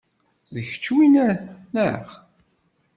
D kečč winna, neɣ?